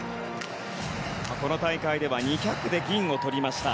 この大会では２００で銀をとりました。